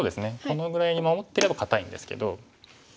このぐらいに守ってれば堅いんですけど。